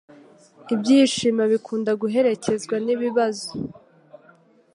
Ibyishimo bikunda guherekezwa nibibazo.